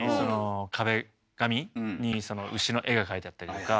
壁紙に牛の絵が描いてあったりとか。